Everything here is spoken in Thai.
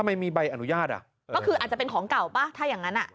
ไม่มีใบอนุญาตอ่ะก็คืออาจจะเป็นของเก่าป่ะถ้าอย่างงั้นอ่ะ